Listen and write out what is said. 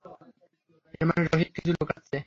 এর মানে রোহিত কিছু লুকাচ্ছে।